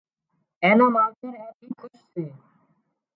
اين نان ماوتر اين ٿي کُش سي